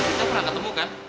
kita pernah ketemu kan